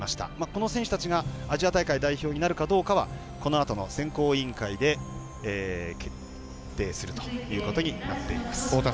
この選手たちがアジア大会代表になるかどうかはこのあとの選考委員会で決定するということになっています。